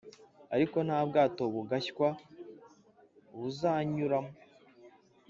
ariko nta bwato bugashywa buzayanyuramo,